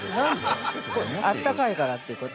あったかいからということ？